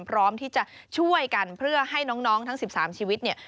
พร้อมที่จะช่วยกันเพื่อให้น้องทั้ง๑๓ชีวิตเนี่ย